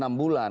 baru enam bulan